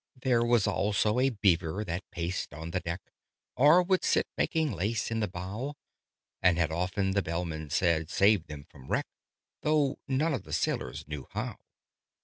There was also a Beaver, that paced on the deck, Or would sit making lace in the bow: And had often (the Bellman said) saved them from wreck, Though none of the sailors knew how.